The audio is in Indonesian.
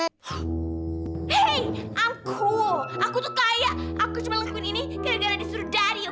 hei aku keren aku tuh kaya aku cuma lengkuin ini gara gara disuruh dari oke